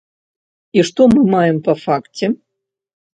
І што мы маем па факце?